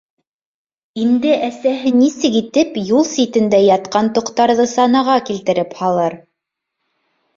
«Инде әсәһе нисек итеп юл ситендә ятҡан тоҡтарҙы санаға килтереп һалыр?»